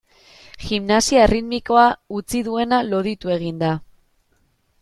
Gimnasia erritmikoa utzi duena loditu egin da.